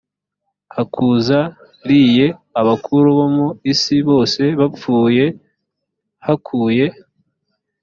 hakuz riye abakuru bo mu isi bose bapfuye hakuye